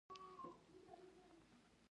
دا په شپاړس سوه کال کې و.